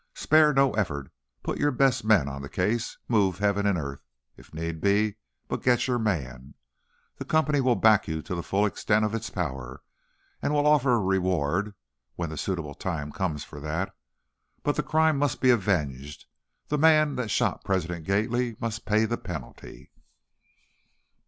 Spare no effort, put your best men on the case, move heaven and earth, if need be, but get your man! The Company will back you to the full extent of its power; we will offer a reward, when the suitable time comes for that. But the crime must be avenged, the man that shot President Gately must pay the penalty!"